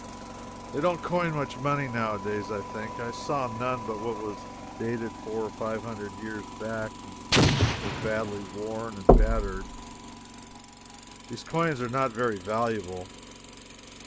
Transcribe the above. They don't coin much money nowadays, I think. I saw none but what was dated four or five hundred years back, and was badly worn and battered. These coins are not very valuable.